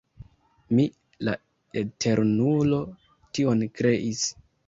Mi, la Eternulo, tion kreis.